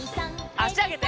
あしあげて！